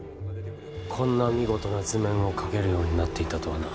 こんな見事な図面を描けるようになっていたとはな。